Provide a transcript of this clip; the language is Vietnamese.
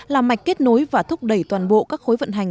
làm mạch kết nối và thúc đẩy toàn bộ các khối vận hành